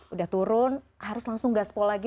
udah turun harus langsung gaspol lagi